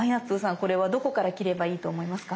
これはどこから切ればいいと思いますか？